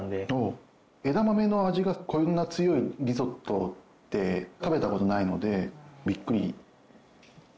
枝豆の味がこんな強いリゾットって食べた事ないのでビックリ。